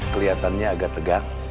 keliatannya agak tegang